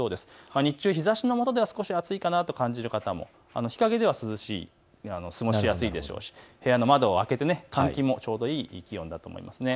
日中、日ざしの下では少し暑いかなと感じる方も、日陰では過ごしやすいでしょうし、部屋の窓を開けて換気もちょうどいい気温だと思います。